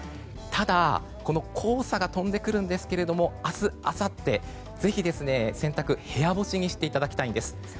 ただ、黄砂が飛んでくるんですが明日あさってぜひ、洗濯を部屋干しにしていただきたいんです。